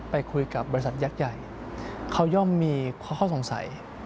ไปคุยกับบริษัทยักษ์ใหญ่เขาย่อมมีข้อสงสัย